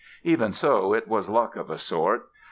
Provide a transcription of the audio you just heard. Even so, it was luck of a sort.